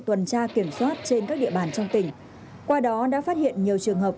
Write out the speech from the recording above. tuần tra kiểm soát trên các địa bàn trong tỉnh qua đó đã phát hiện nhiều trường hợp